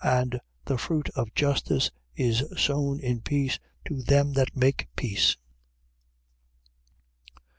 3:18. And the fruit of justice is sown in peace, to them that make peace.